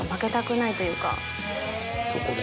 そこで。